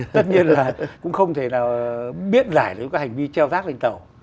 tất nhiên là cũng không thể nào biết giải được những cái hành vi treo rác lên tàu